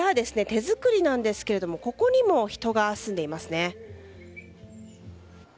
手作りなんですけれどもここにも人が住んでいますね。